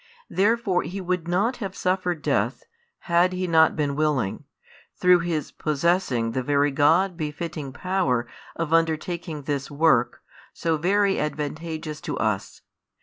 Therefore He would not have suffered death, had He not been willing, through His possessing the very God befitting power of undertaking this work, so very advantageous to us.